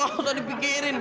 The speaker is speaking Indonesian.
gak usah dipikirin